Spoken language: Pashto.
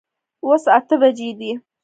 اوس اته بجي دي